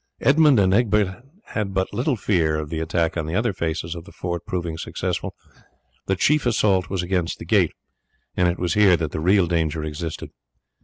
Edmund and Egbert had but little fear of the attack on the other faces of the fort proving successful; the chief assault was against the gate, and it was here that the real danger existed.